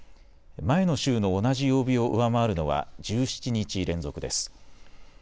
前の週の同じ曜日を上回るのは１７日連続です。